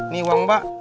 nih uang mbak